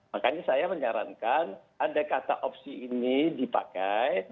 makanya saya menyarankan ada kata opsi ini dipakai